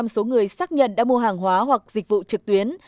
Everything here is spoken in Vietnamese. hai mươi chín số người xác nhận đã mua hàng hóa hoặc dịch vụ trực tuyến